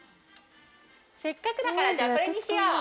せっかくだからこれにしよう。